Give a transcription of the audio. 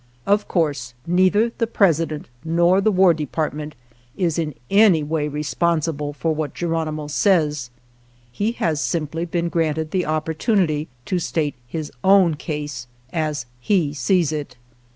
Of course neither the President nor the War Depart ment is in any way responsible for what Geronimo says ; he has simply been granted xxvi INTRODUCTORY the opportunity to state his own case as he sees it.